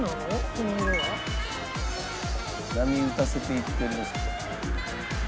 この色が。波打たせていってる。